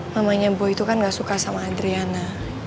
mamanya boy itu kan gak suka sama adriana